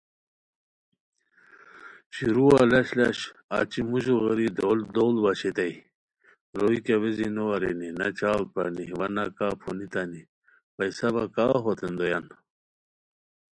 شروعہ لش لش اچی موژو غیری دول دوڑ باشئیتائے، روئے کیہ ویزی نو ارینی، نہ چاڑ پرانی وا نہ کا پھونیتانی، پَیسہ وا کا ہوتین دویان